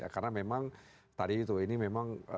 karena memang tadi itu ini memang